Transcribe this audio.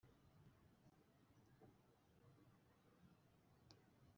bikaba ari byo bikubiye mu ngeri y’amahigi.